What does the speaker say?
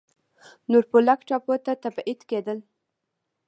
نورفولک ټاپو ته تبعید کېدل.